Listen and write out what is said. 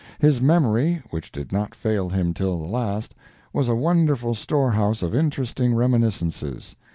His memory, which did not fail him till the last, was a wonderful storehouse of interesting reminiscences.